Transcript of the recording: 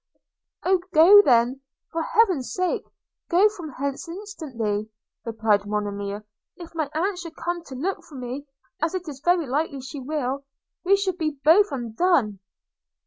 – 'Oh! go then, for Heaven's sake go from hence instantly!' replied Monimia. – 'If my aunt should come to look for me, as it is very likely she will, we should be both undone!'